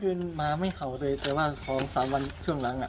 วันวันคืนมาไม่เห่าเลยแต่ว่า๒๓วันช่วงหลัง